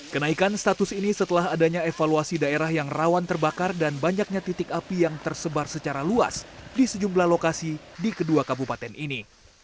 kenaikan status ini setelah adanya evaluasi daerah yang rawan terbakar dan banyaknya titik api yang tersebar secara luas di sejumlah lokasi di kedua kabupaten ini